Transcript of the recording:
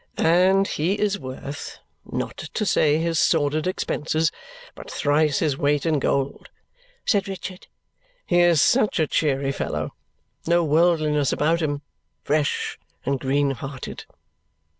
"And he is worth not to say his sordid expenses but thrice his weight in gold," said Richard. "He is such a cheery fellow. No worldliness about him. Fresh and green hearted!"